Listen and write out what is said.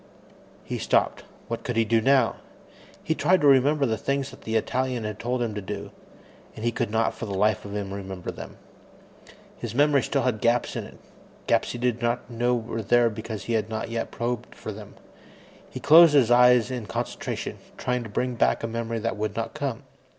He stopped. What could he do now? He tried to remember the things that the Italian had told him to do, and he could not for the life of him remember them. His memory still had gaps in it gaps he did not know were there because he had not yet probed for them. He closed his eyes in concentration, trying to bring back a memory that would not come.